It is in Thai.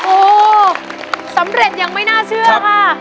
โอ้โหสำเร็จอย่างไม่น่าเชื่อค่ะ